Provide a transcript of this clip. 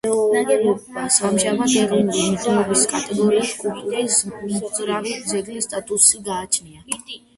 ნაგებობას ამჟამად ეროვნული მნიშვნელობის კატეგორიის კულტურის უძრავი ძეგლის სტატუსი გააჩნია.